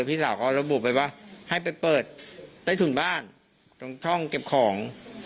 พี่สาวเขาระบุไปว่าให้ไปเปิดใต้ถุนบ้านตรงท่องเก็บของ